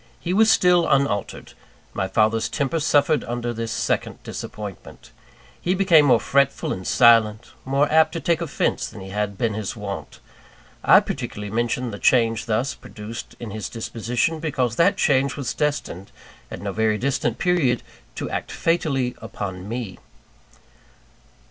He was still unaltered. My father's temper suffered under this second disappointment. He became more fretful and silent; more apt to take offence than had been his wont. I particularly mention the change thus produced in his disposition, because that change was destined, at no very distant period, to act fatally upon me.